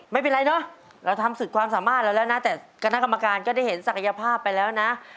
ไม่เป็นไรเนอะเราทำสุดความสามารถเราแล้วนะแต่คณะกรรมการก็ได้เห็นศักยภาพไปแล้วนะ